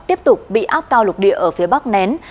tiếp tục bị áp cao lục địa ở phía bắc nén